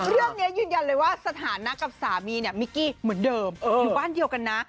เรื่องนี้ยืนยันเลยว่าสถานะกับสามีมิกกี้เหมือนเดิมอยู่บ้านเดียวกันนะ